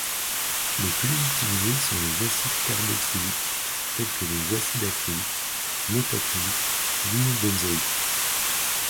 Les plus utilisés sont les acides carboxyliques, tels que les acides acryliques, méthacryliques, vinylbenzoïques.